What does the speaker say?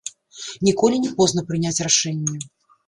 Ніколі не позна прыняць рашэнне.